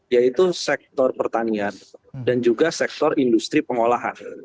yaitu sektor pertanian dan juga sektor industri pengolahan